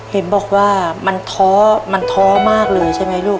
เห็นบอกว่ามันท้อมันท้อมากเลยใช่ไหมลูก